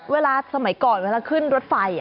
สมัยก่อนเวลาขึ้นรถไฟ